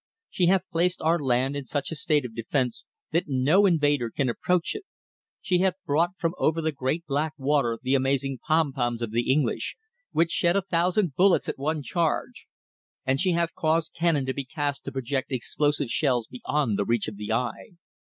She hath placed our land in such a state of defence that no invader can approach it; she hath brought from over the great black water the amazing 'pom poms' of the English, which shed a thousand bullets at one charge, and she hath caused cannon to be cast to project explosive shells beyond the reach of the eye.